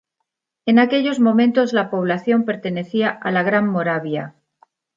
En aquellos momentos la población pertenecía a la Gran Moravia.